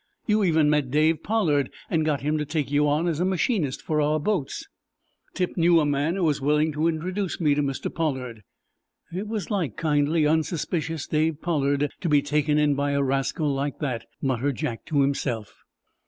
You even met Dave Pollard and got him to take you on as a machinist for our boats!" "Tip knew a man who was willing to introduce me to Mr. Pollard." "It was like kindly, unsuspicious Dave Pollard to be taken in by a rascal like that," muttered Jack to himself.